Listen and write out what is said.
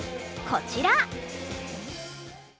こちら！